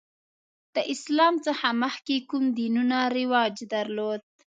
د اسلام څخه مخکې کوم دینونه رواج درلود؟